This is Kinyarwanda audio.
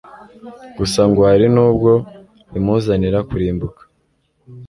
gusa ngo hari nubwo bimuzanira kurimbuka